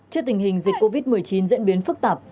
trước tình hình dịch covid một mươi chín diễn biến phức tạp